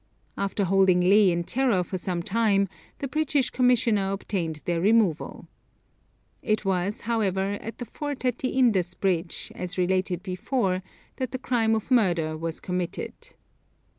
After holding Leh in terror for some time the British Commissioner obtained their removal. It was, however, at the fort at the Indus bridge, as related before, that the crime of murder was committed.